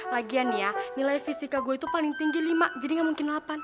lagian ya nilai fisika gue itu paling tinggi lima jadi gak mungkin delapan